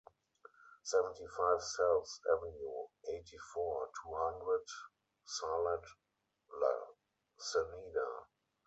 seventy-five Selves Avenue, eighty-four, two hundred, Sarlat-la-Canéda